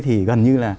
thì gần như là